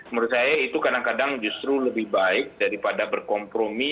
menurut saya itu kadang kadang justru lebih baik daripada berkompromi